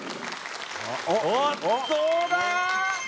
おっどうだ⁉